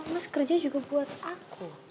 mas kerja juga buat aku